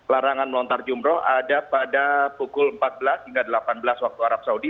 larangan melontar jumroh ada pada pukul empat belas hingga delapan belas waktu arab saudi